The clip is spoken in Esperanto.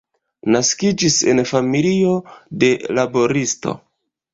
Naskiĝis en familio de laboristo.